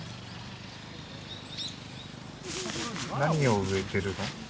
何を植えてるの？